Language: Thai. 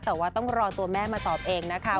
แต่ว่าต้องรอตัวแม่มาตอบเองนะคะ